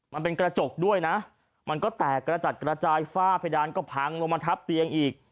มันเป็นกระจกด้วยนะมันก็แตกกระจัดกระจายฝ้าเพดานก็พังลงมาทับเตียงอีก